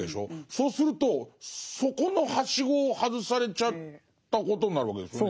そうするとそこのはしごを外されちゃったことになるわけですよね。